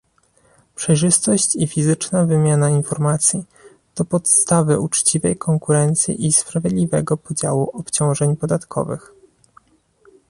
Przejrzystość i fizyczna wymiana informacji to podstawy uczciwej konkurencji i sprawiedliwego podziału obciążeń podatkowych